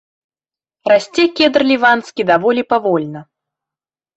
Расце кедр ліванскі даволі павольна.